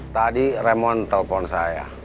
tadi raymond telpon saya